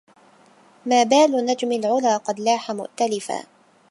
ما بال نجم العلا قد لاح مؤتلفا